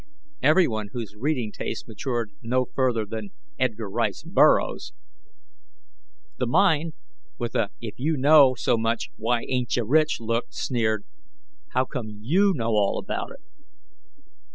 "Everyone whose reading tastes matured no further than Edgar Rice Burroughs!" The Mind, with a if you know so much why aintcha rich look, sneered, "How come you know all about it?"